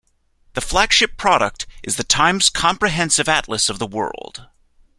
The flagship product is The Times Comprehensive Atlas of the World.